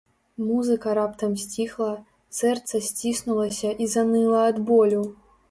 Музыка раптам сціхла, сэрца сціснулася і заныла ад болю.